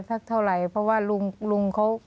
สักเท่าไหร่เพราะว่าลุงเขา